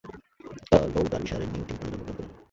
Low ডার্বিশায়ারের New টিংটনে জন্মগ্রহণ করেন।